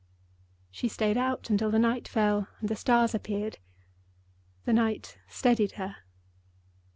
She stayed out until the night fell and the stars appeared. The night steadied her.